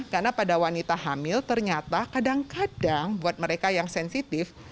karena pada wanita hamil ternyata kadang kadang buat mereka yang sensitif